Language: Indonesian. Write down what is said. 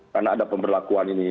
karena ada pemberlakuan